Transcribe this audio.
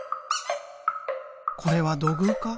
これは土偶か？